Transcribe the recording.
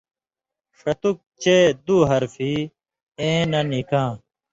ݜتُک چے دُو حرفہ اَیں نہ نِکاں